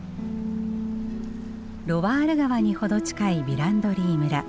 ロワール川に程近いヴィランドリー村。